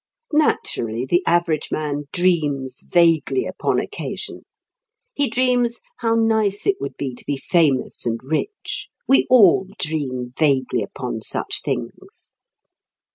Naturally the average man dreams vaguely, upon occasion; he dreams how nice it would be to be famous and rich. We all dream vaguely upon such things.